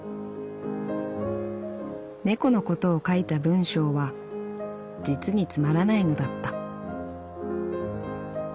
「猫のことを書いた文章は実につまらないのだった」。